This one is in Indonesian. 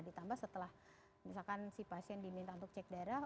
ditambah setelah misalkan si pasien diminta untuk cek darah